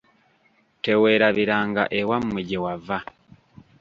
Teweerabiranga ewammwe gye wava.